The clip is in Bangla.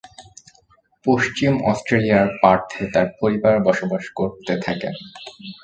পশ্চিম অস্ট্রেলিয়ার পার্থে তার পরিবার বসবাস করতে থাকেন।